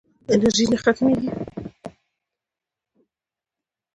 انرژي نه ختمېږي.